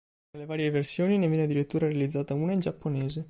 Tra le varie versioni ne viene addirittura realizzata una in giapponese.